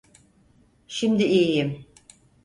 Şimdi iyiyim.